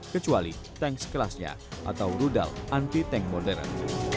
kecuali tank sekelasnya atau rudal anti tank modern